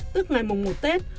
tức ngày một tết